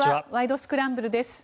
スクランブル」です。